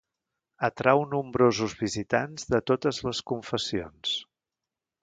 Atrau nombrosos visitants de totes les confessions.